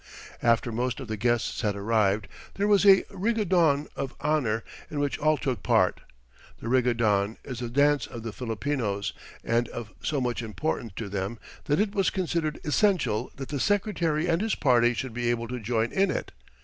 After most of the guests had arrived, there was a rigodon of honour, in which all took part. The rigodon is the dance of the Filipinos, and of so much importance to them that it was considered essential that the Secretary and his party should be able to join in it.